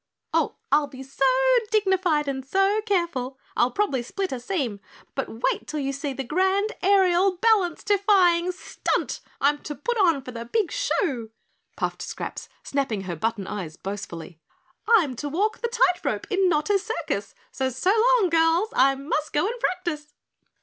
"Oh, I'll be careful and so dignified I'll probably split a seam, but wait till you see the grand aerial balance defying stunt I'm to put on for the big show," puffed Scraps, snapping her button eyes boastfully. "I'm to walk the tight rope in Notta's circus, so SO long, girls, I must go and practice."